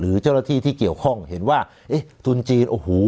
เจ้าหน้าที่ที่เกี่ยวข้องเห็นว่าเอ๊ะทุนจีนโอ้โห